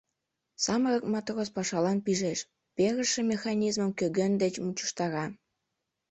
Самырык матрос пашалан пижеш: перыше механизмым кӧгӧн деч мучыштара.